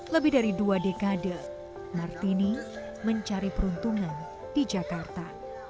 lebih dari dua dekade martini mencari peruntungan di jakarta